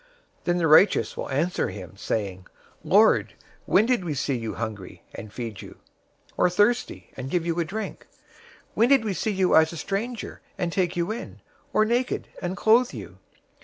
025:037 "Then the righteous will answer him, saying, 'Lord, when did we see you hungry, and feed you; or thirsty, and give you a drink? 025:038 When did we see you as a stranger, and take you in; or naked, and clothe you?